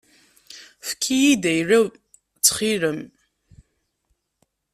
Efk-iyi-d ayla-w ttxil-m.